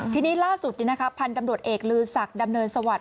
ทีนี้ล่าสุดพันธุ์ตำรวจเอกลือศักดิ์ดำเนินสวัสดิ